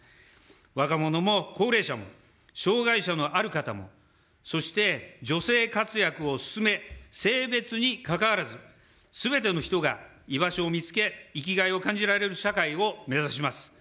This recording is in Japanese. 若者も高齢者も障害者のある方も、そして、女性活躍を進め、性別にかかわらず、すべての人が居場所を見つけ、生きがいを感じられる社会を目指します。